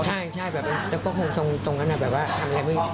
ใช่ใช่แบบนี่ในแบบงั้นธงนะแบบว่าทำอะไรไม่